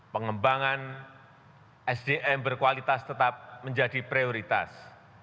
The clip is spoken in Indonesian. pengembangan sdm berkualitas tetap menjadi prioritas